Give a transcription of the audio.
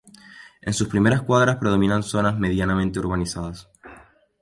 En sus primeras cuadras predominan zonas medianamente urbanizadas.